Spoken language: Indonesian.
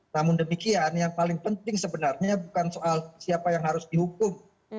namun demikian yang paling penting sebenarnya bukan soal siapa yang harus dihukum